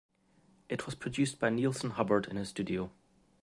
It was produced by Neilson Hubbard in his studio.